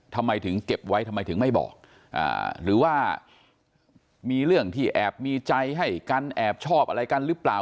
ทำไมถึงเก็บไว้ทำไมถึงไม่บอกหรือว่ามีเรื่องที่แอบมีใจให้กันแอบชอบอะไรกันหรือเปล่า